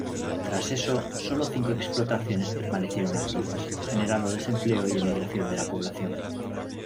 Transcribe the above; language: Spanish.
Tras eso solo cinco explotaciones permanecieron activas, generando desempleo y emigración de la población.